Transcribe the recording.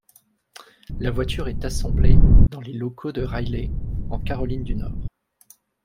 La voiture est assemblée dans les locaux de Riley en Caroline du Nord.